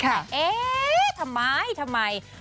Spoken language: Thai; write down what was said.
แต่เอ๊ะทำไมทำไม